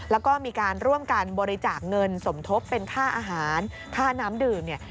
แล้วก็มีการร่วมกันบริจาคเงินสมทบเป็นค่าอาหารค่าน้ำดื่มเนี่ย